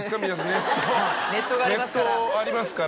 ネットがありますから。